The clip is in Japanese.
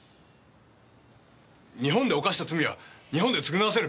日本で犯した罪は日本で償わせるべきです。